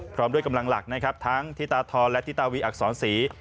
พร้อมด้วยกำลังหลักทั้งทิตาทอและทิตาวีอักษรศรี